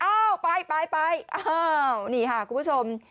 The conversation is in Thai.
อ้าวไปไปอ้าวนี่ค่ะคุณผู้ชม